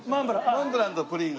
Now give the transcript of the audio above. モンブランとプリン？